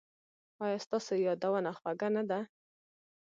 ایا ستاسو یادونه خوږه نه ده؟